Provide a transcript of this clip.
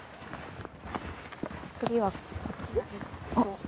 次はこっち？